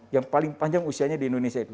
yang paling panjang usianya di indonesia itu